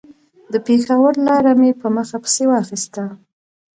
د پېښور لاره مې په مخه پسې واخيسته.